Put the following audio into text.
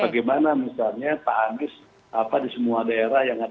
bagaimana misalnya pak anis di semua daerah yang berbeda